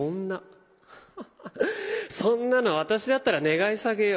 ハハハッそんなの私だったら願い下げよ。